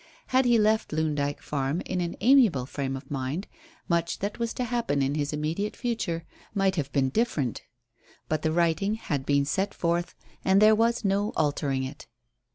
Had he left Loon Dyke Farm in an amiable frame of mind, much that was to happen in his immediate future might have been different. But the writing had been set forth, and there was no altering it.